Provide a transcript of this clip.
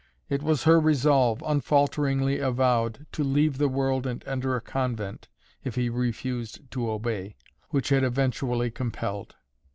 It was her resolve, unfalteringly avowed, to leave the world and enter a convent, if he refused to obey, which had eventually compelled.